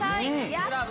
やった！